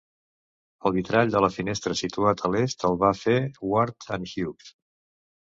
El vitrall de la finestra situada a l'est el va fer Ward and Hughes.